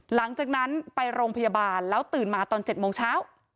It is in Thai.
หลังจากนั้นไปโรงพยาบาลแล้วตื่นมาตอน๗โมงเช้า